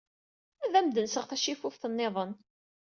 Ad am-d-nseɣ tacifuft niḍen.